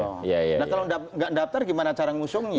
nah kalau nggak daftar gimana cara ngusungnya